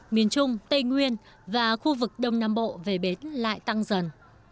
miền trung tây nguyên và khu vực đông nam bộ về bến lại tăng dần